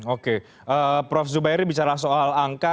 oke prof zubairi bicara soal angka